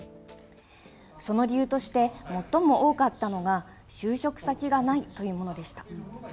その理由として、最も多かったのが就職先がないというものでした。